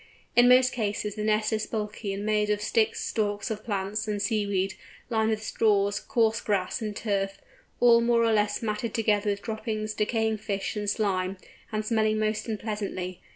In most cases the nest is bulky and made of sticks, stalks of plants, and sea weed, lined with straws, coarse grass, and turf, all more or less matted together with droppings, decaying fish, and slime, and smelling most unpleasantly.